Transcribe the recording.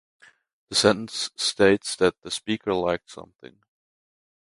The sentence states that the speaker liked something.